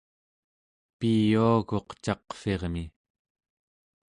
piyuaguq caqvirmi